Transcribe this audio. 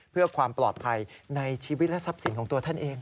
เพื่อความปลอดภัยในชีวิตและทรัพย์สินของตัวท่านเอง